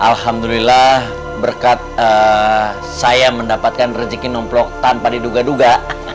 alhamdulillah berkat saya mendapatkan rezeki numplok tanpa diduga duga